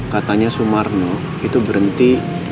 katanya sumarno itu berhenti